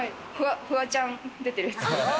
フワちゃんが出てるやつ。